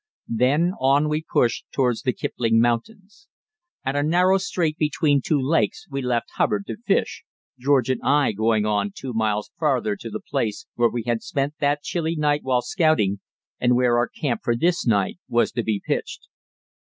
Then on we pushed towards the Kipling Mountains. At a narrow strait between two lakes we left Hubbard to fish, George and I going on two miles farther to the place where we had spent that chilly night while scouting, and where our camp for this night was to be pitched.